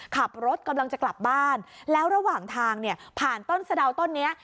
ขับรถกำลังจะกลับบ้านแล้วระหว่างทางเนี่ยผ่านต้นสะดาวต้นนี้